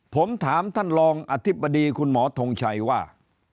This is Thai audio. ผมถามท่านรองอธิบดีคุณหมอทงชัยว่า